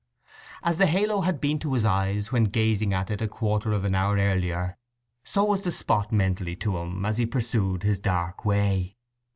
As the halo had been to his eyes when gazing at it a quarter of an hour earlier, so was the spot mentally to him as he pursued his dark way.